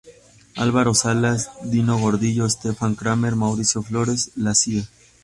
Álvaro Salas, Dino Gordillo, Stefan Kramer, Mauricio Flores, la Cía.